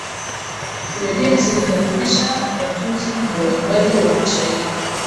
redio zinakaribisha watunzi na waimbaji wa mashairi